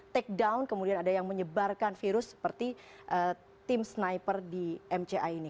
take down kemudian ada yang menyebarkan virus seperti tim sniper di mca ini